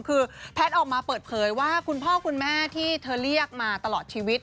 คือแพทย์ออกมาเปิดเผยว่าคุณพ่อคุณแม่ที่เธอเรียกมาตลอดชีวิต